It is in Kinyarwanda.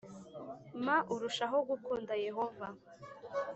ma urushaho gukunda Yehova